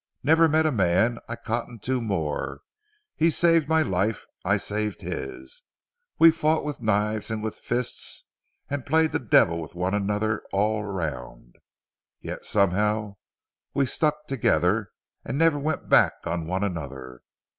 Never met a man I cottoned to more. He saved my life, I saved his, we fought with knives and with fists, and played the devil with one another all round. Yet somehow we stuck together, and never went back on one another.